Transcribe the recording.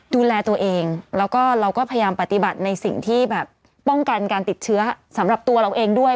ดูแลตัวเองแล้วก็เราก็พยายามปฏิบัติในสิ่งที่แบบป้องกันการติดเชื้อสำหรับตัวเราเองด้วย